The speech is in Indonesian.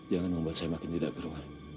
jangan membuat saya makin tidak berpengaruh